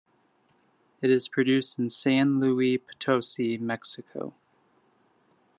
It is produced in San Luis Potosi, Mexico.